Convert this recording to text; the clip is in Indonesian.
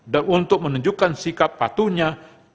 dan untuk menunjukkan sikap patuhnya